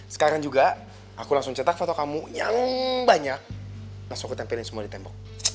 sekarang juga aku langsung cetak foto kamu yang banyak langsung aku tempelin semua di tembok